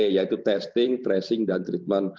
yaitu testing tracing dan treatment